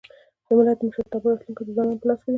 د ملت د مشرتابه راتلونکی د ځوانانو په لاس کي دی.